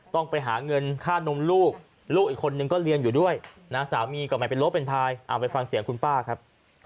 ต้องไปหาเงินค่านมลูกลูกอีกคนนึงก็เรียนอยู่ด้วยนะสามีก็ไม่เป็นลบเป็นพายเอาไปฟังเสียงคุณป้าครับ